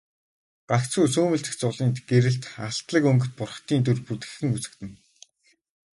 Гагцхүү сүүмэлзэх зулын гэрэлд алтлаг өнгөт бурхдын дүр бүдэгхэн үзэгдэнэ.